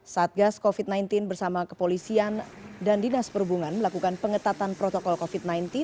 satgas covid sembilan belas bersama kepolisian dan dinas perhubungan melakukan pengetatan protokol covid sembilan belas